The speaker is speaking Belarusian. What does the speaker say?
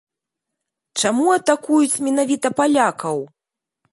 Чаму атакуюць менавіта палякаў?